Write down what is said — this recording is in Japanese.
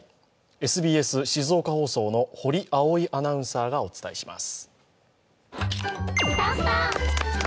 ＳＢＳ静岡放送の堀葵衣アナウンサーがお伝えします。